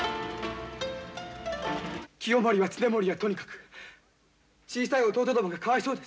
清盛や経盛はとにかく小さい弟殿がかわいそうです。